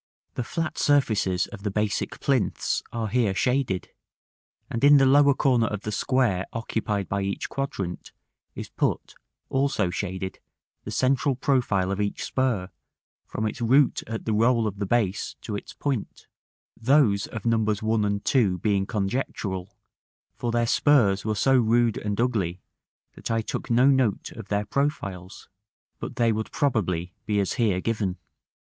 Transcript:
The flat surfaces of the basic plinths are here shaded; and in the lower corner of the square occupied by each quadrant is put, also shaded, the central profile of each spur, from its root at the roll of the base to its point; those of Nos. 1 and 2 being conjectural, for their spurs were so rude and ugly, that I took no note of their profiles; but they would probably be as here given.